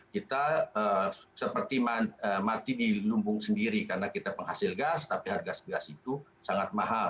kita seperti mati di lumbung sendiri karena kita penghasil gas tapi harga gas itu sangat mahal